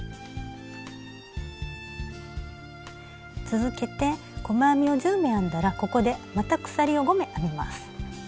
続けて細編みを１０目編んだらここでまた鎖を５目編みます。